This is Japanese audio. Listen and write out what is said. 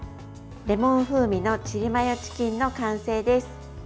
レモン風味のチリマヨチキンの完成です。